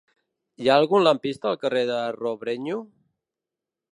Hi ha algun lampista al carrer de Robrenyo?